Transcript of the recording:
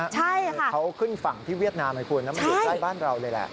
คือเขาขึ้นฝั่งที่เวียดนามไงคุณแล้วมันอยู่ใกล้บ้านเราเลยแหละ